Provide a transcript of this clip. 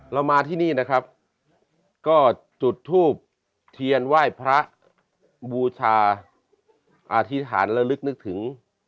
เรามาที่นี่นะครับก็จุดทูบเทียนไหว้พระบูชาอธิษฐานและลึกนึกถึง